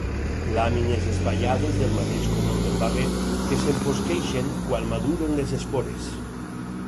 Làmines espaiades, del mateix color del barret, que s'enfosqueixen quan maduren les espores.